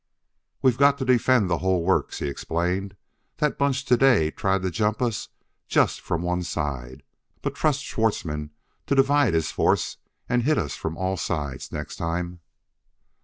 "We've got to defend the whole works," he explained. "That bunch today tried to jump us just from one side, but trust Schwartzmann to divide his force and hit us from all sides next time.